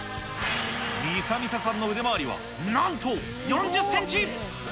みさみささんの腕回りはなんと４０センチ。